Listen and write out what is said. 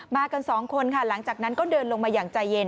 กันสองคนค่ะหลังจากนั้นก็เดินลงมาอย่างใจเย็น